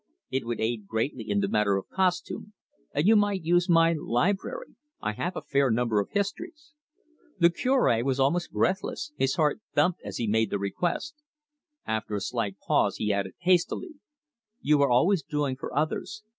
It would aid greatly in the matter of costume, and you might use my library I have a fair number of histories." The Cure was almost breathless, his heart thumped as he made the request. After a slight pause he added, hastily: "You are always doing for others.